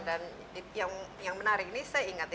dan yang menarik ini saya ingat ya